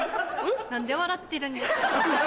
何で笑ってるんですか？